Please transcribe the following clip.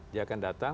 dia akan datang